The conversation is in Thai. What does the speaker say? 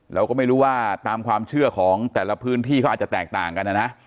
เราก็ไม่รู้ว่าตามความเชื่อของแต่ละพื้นที่เขาอาจจะแตกต่างกันนะนะ